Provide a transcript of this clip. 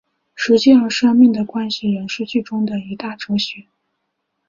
时间和生命的关系乃是剧中的一大哲学。